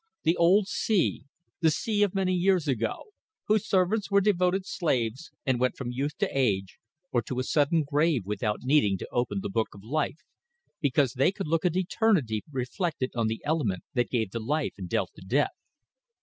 The old sea; the sea of many years ago, whose servants were devoted slaves and went from youth to age or to a sudden grave without needing to open the book of life, because they could look at eternity reflected on the element that gave the life and dealt the death.